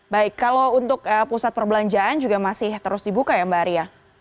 baik kalau untuk pusat perbelanjaan juga masih terus dibuka ya mbak aria